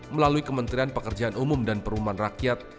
melalui kementerian pekerjaan umum dan perumahan rakyat